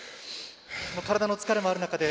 体の疲れもある中で